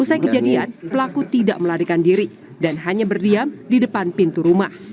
usai kejadian pelaku tidak melarikan diri dan hanya berdiam di depan pintu rumah